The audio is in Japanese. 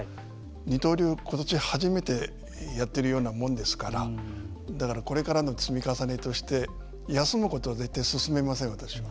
二刀流、ことし初めてやってるようなもんですからだからこれからの積み重ねとして休むことは絶対勧めません私は。